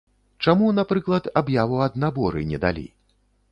Чаму, напрыклад, аб'яву ад наборы не далі?